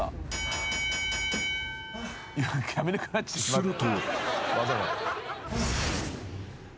［すると］